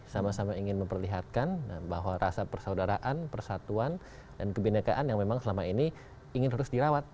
sama sama ingin memperlihatkan bahwa rasa persaudaraan persatuan dan kebenekaan yang memang selama ini ingin terus dirawat